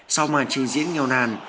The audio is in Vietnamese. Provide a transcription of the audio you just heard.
sau màn trình diễn nghèo nàn